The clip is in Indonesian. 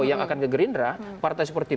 yang akan ke gerindra partai seperti